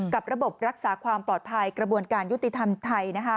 กับระบบรักษาความปลอดภัยกระบวนการยุติธรรมไทย